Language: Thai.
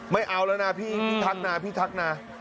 ไม่เอาแล้วนะพี่พี่ทักนะพี่ทักนะ